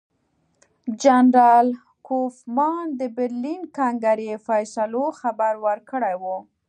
جنرال کوفمان د برلین کنګرې فیصلو خبر ورکړی وو.